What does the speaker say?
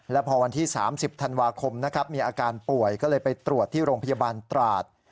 แล้วพอวันที่๓๐ธันวาคมนะครับมีอาการป่วยก็เลยไปตรวจที่โรงพยาบาลตราด